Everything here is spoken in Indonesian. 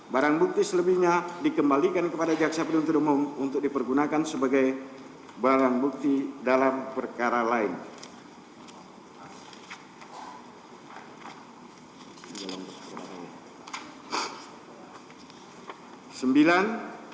barang bukti selebihnya dikembalikan kepada jaksa penuntut umum untuk dipergunakan sebagai barang bukti dalam perkara lain